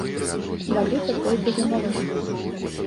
Валюта пойдзе за мяжу.